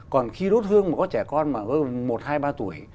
còn khi đốt hương mà có trẻ con mà hơn một hai ba tuổi